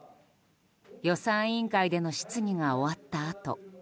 予算委員会での質疑が終わったあと。